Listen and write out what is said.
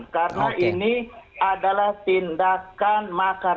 karena ini adalah tindakan makar